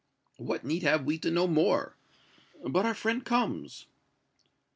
What need have we to know more? But our friend comes."